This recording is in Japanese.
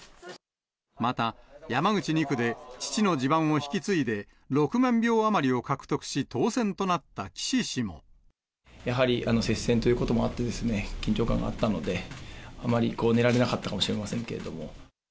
また山口２区で父の地盤を引き継いで６万票余りを獲得し当選となやはり接戦ということもあってですね、緊張感があったので、あまり寝られなかったかもしれませんけれども。